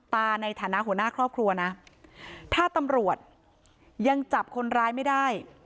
ในฐานะหัวหน้าครอบครัวนะถ้าตำรวจยังจับคนร้ายไม่ได้